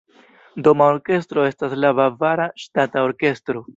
Doma orkestro estas la Bavara Ŝtata Orkestro.